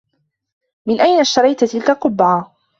من أين اشتريت تلك القبّعة؟